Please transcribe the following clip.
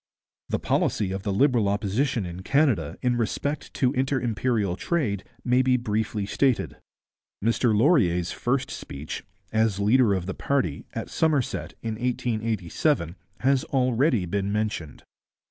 The policy of the Liberal Opposition in Canada in respect to inter imperial trade may be briefly stated. Mr Laurier's first speech, as leader of the party, at Somerset, in 1887, has already been mentioned.